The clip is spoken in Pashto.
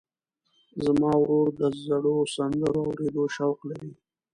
زما ورور د زړو سندرو اورېدو شوق لري.